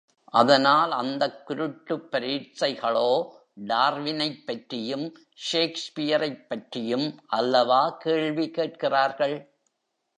அதனால் அந்தக் குருட்டுப் பரீட்சைகளோ டார்வினைப் பற்றியும், ஷேக்ஸ்பியரைப் பற்றியும் அல்லவா கேள்வி கேட்கிறார்கள்?